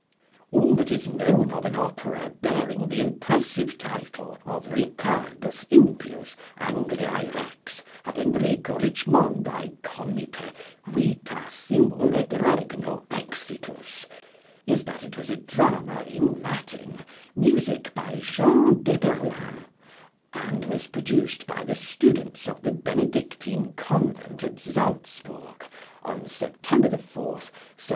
All that is known of an opera bearing the impressive title of Ricardus Impius, Angliæ Rex, ab Henrico Richmondæ Comite vita simul et regno exitus, is that it was a drama in Latin, music by Jean d'Eberlin, and was produced by the students of the Benedictine convent at Salzburg on September 4, 1750.